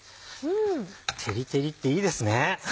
照り照りっていいですね。